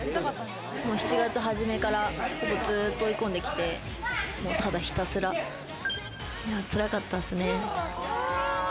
７月初めからずっと追い込んできて、ただひたすら、つらかったっすね。